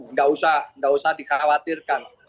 nggak usah dikhawatirkan